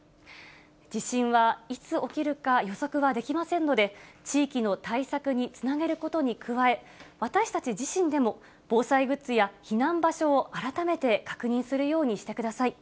地震はいつ起きるか予測はできませんので、地域の対策につなげることに加え、私たち自身でも、防災グッズや避難場所を改めて確認するようにしてください。